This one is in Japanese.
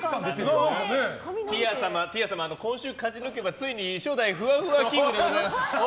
ティア様、今週勝ち抜けばついに初代ふわふわキングでございます。